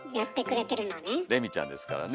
れみちゃんですからね。